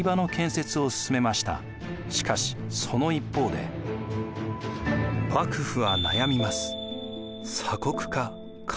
しかしその一方で幕府は悩みます。